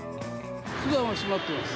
ふだんは閉まってます。